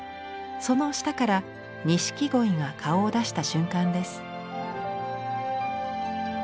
その下から錦鯉が顔を出した瞬間です。